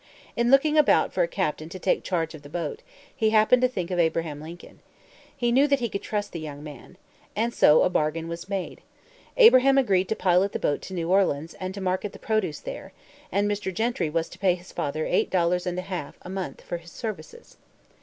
In looking about for a captain to take charge of the boat, he happened to think of Abraham Lincoln. He knew that he could trust the young man. And so a bargain was soon made. Abraham agreed to pilot the boat to New Orleans and to market the produce there; and Mr. Gentry was to pay his father eight dollars and a half a month for his services.